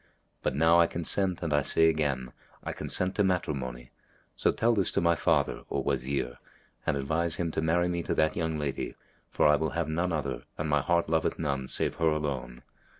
But now I consent and I say again, I consent to matrimony: so tell this to my father, O Wazir, and advise him to marry me to that young lady; for I will have none other and my heart loveth none save her alone.